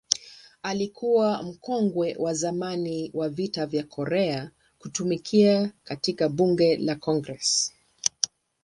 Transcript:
Alikuwa mkongwe wa zamani wa Vita vya Korea kutumikia katika Bunge la Congress.